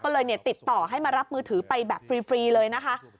ก็เลยติดต่อให้มารับมือถือไปแบบฟรีเลยนะคะ